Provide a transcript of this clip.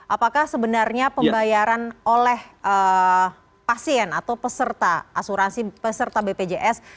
apakah sebenarnya pembayaran oleh pasien atau peserta asuransi peserta bpjs